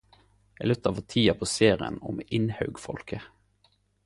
Eg lyttar for tida på serien om Innhaugfolket.